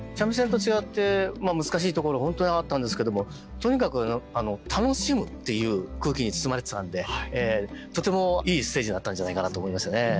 三味線と違って難しいところ本当にあったんですけどもとにかく楽しむっていう空気に包まれてたんでとてもいいステージだったんじゃないかなと思いますね。